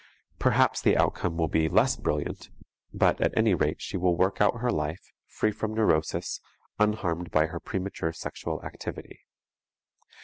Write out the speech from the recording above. Perhaps the outcome will be less brilliant, but at any rate she will work out her life, free from neurosis, unharmed by her premature sexual activity.